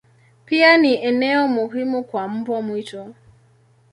Pia ni eneo muhimu kwa mbwa mwitu.